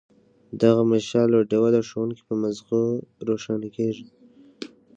دغه مشال او ډیوه د ښوونکي په مازغو روښانه کیږي.